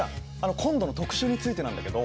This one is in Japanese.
今度の特集についてなんだけど。